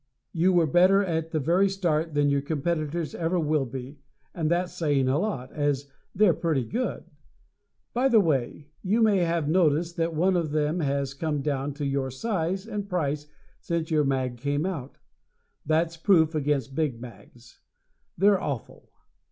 You were better at the very start than your competitors ever will be, and that's saying a lot, as they're pretty good. By the way, you may have noticed that one of them has come down to your size and price since your mag came out. That's proof against big mags. They're awful.